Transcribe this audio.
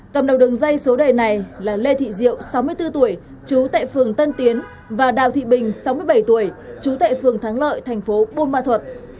cầm đầu đường dây số đề này là lê thị diệu sáu mươi bốn tuổi chú tệ phường tân tiến và đào thị bình sáu mươi bảy tuổi chú tệ phường thắng lợi thành phố bôn ma thuật